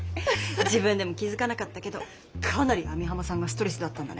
自分でも気付かなかったけどかなり網浜さんがストレスだったんだね。